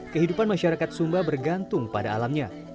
kehidupan masyarakat sumba bergantung pada alamnya